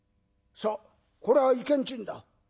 さあこれは意見賃だ。